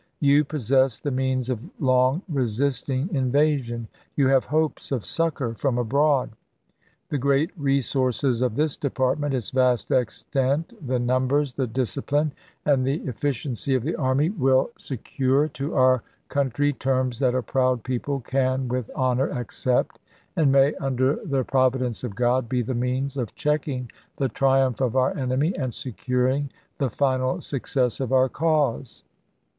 " You possess the means of long resisting invasion. You have hopes of succor from abroad. .. The great resources of this department, its vast extent, the numbers, the discipline, and the efficiency of the army, will THE END OF EEBELLION 329 secure to our country terms that a proud people ch. xvii. can with honor accept, and may, under the provi dence of God, be the means of checking the triumph of our enemy and securing the final success of our cause."